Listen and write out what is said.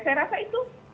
saya rasa itu